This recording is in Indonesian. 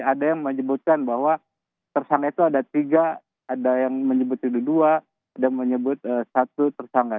ada yang menyebutkan bahwa tersangka itu ada tiga ada yang menyebut judul dua ada menyebut satu tersangka